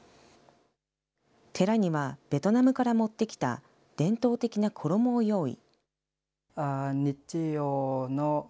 寺にはベトナムから持ってきた伝統的な衣を用意。